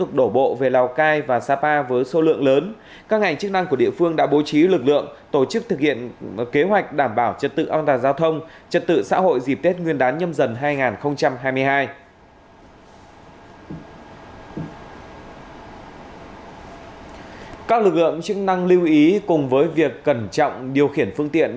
các lực lượng chức năng lưu ý cùng với việc cẩn trọng điều khiển phương tiện